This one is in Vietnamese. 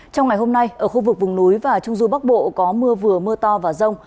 trong ngày hôm nay ở khu vực vùng núi và trung du bắc bộ có mưa vừa mưa to và rông